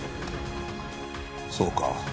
そうか。